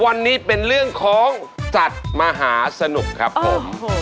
วันนี้เป็นเรื่องของสัตว์มหาสนุกครับผม